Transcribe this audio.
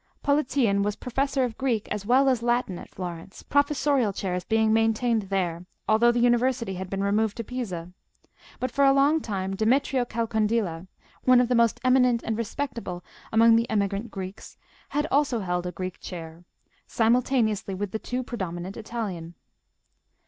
Politian was professor of Greek as well as Latin at Florence, professorial chairs being maintained there, although the university had been removed to Pisa; but for a long time Demetrio Calcondila, one of the most eminent and respectable among the emigrant Greeks, had also held a Greek chair, simultaneously with the too predominant Italian.